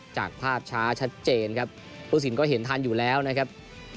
จากภาพช้าชัดเจนครับผู้สินก็เห็นทันอยู่แล้วนะครับ